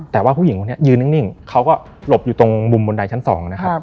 แต่ว่าผู้หญิงคนนี้ยืนนิ่งเขาก็หลบอยู่ตรงมุมบนใดชั้น๒นะครับ